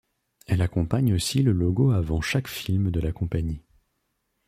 Elle accompagne aussi le logo avant chaque film de la compagnie.